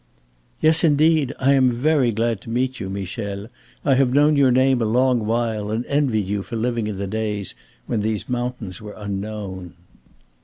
"Yes, indeed. I am very glad to meet you, Michel. I have known your name a long while and envied you for living in the days when these mountains were unknown."